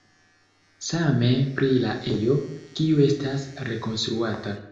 Same pri la ejo, kiu estas rekonstruata.